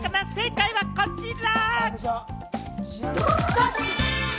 正解はこちら！